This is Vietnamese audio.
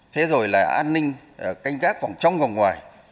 thế rồi là an ninh canh gác vòng trong vòng ngoài